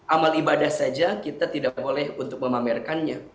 amal ibadah saja kita tidak boleh untuk memamerkannya